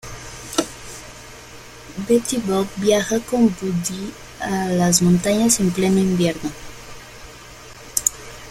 Betty Boop viaja con Pudgy a las montañas en pleno invierno.